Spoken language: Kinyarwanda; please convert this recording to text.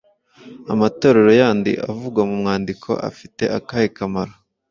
Amatorero yandi avugwa mu mwandiko afite akahe kamaro?